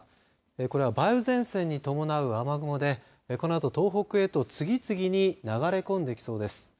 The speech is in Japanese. これは梅雨前線に伴う雨雲でこのあと東北へと次々に流れ込んでいきそうです。